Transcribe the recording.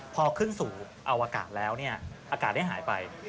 พอขึ้นสู่อวกาศแล้วอากาศได้หายไป